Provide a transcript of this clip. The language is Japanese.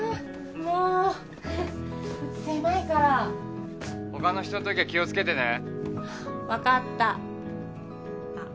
もううち狭いから他の人のときは気をつけてね分かったあっ